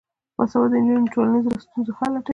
باسواده نجونې د ټولنیزو ستونزو حل لټوي.